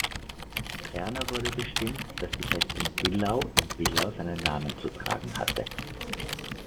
Ferner wurde bestimmt, dass die Festung Pillau in Pillau seinen Namen zu tragen hatte.